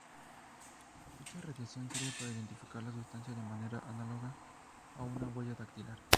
Dicha radiación sirve para identificar la sustancia de manera análoga a una huella dactilar.